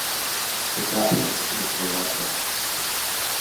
The capital is Valletta.